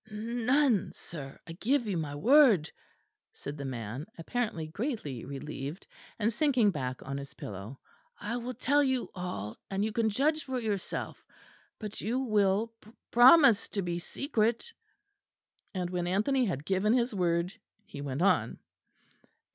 "N none, sir, I give you my word," said the man, apparently greatly relieved, and sinking back on his pillow. "I will tell you all, and you can judge for yourself; but you will promise to be secret." And when Anthony had given his word, he went on.